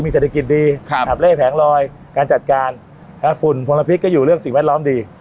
เศรษฐกิจดีขับไล่แผงลอยการจัดการฝุ่นมลพิษก็อยู่เรื่องสิ่งแวดล้อมดี